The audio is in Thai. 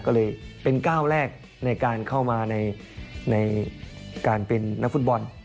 ก็เลยเป็นก้าวแรกในการเข้ามาในการเป็นนักฟุตบอล